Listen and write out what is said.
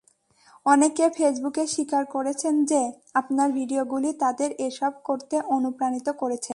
অনেকে ফেসবুকে স্বীকার করেছেন যে আপনার ভিডিওগুলি তাদের এসব করতে অনুপ্রাণিত করেছে।